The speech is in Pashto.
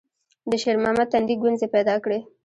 د شېرمحمد تندي ګونځې پيدا کړې.